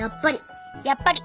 やっぱり。